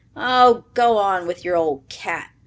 "Oh, go on with your old cat!"